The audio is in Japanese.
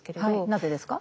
なぜですか？